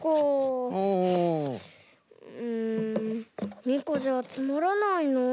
うん２こじゃつまらないなあ。